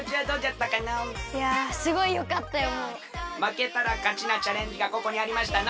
まけたらかちなチャレンジがここにありましたの。